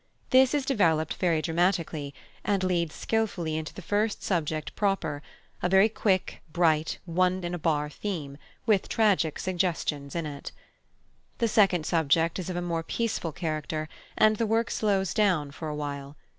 This is developed very dramatically, and leads skilfully into the first subject proper a very quick, bright, one in a bar theme, with tragic suggestions in it. The second subject is of a more peaceful character, and the work slows down for a while.